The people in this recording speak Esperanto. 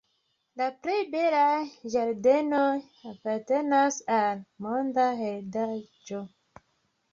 La plej belaj ĝardenoj apartenas al Monda Heredaĵo.